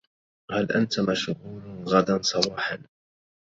هل انت مشغول غداً صباحاً ؟